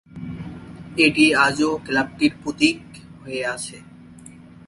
এটি আজও ক্লাবটির প্রতীক হয়ে আছে।